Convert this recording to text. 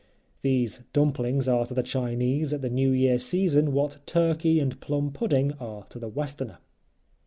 (These dumplings are to the Chinese at the New Year season what turkey and plum pudding are to the Westerner.)